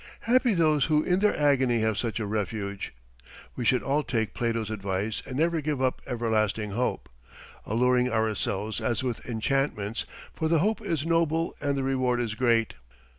Happy those who in their agony have such a refuge. We should all take Plato's advice and never give up everlasting hope, "alluring ourselves as with enchantments, for the hope is noble and the reward is great."